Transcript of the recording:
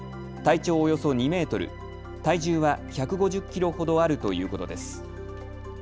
体長およそ２メートル、体重は１５０キロほどあるということです。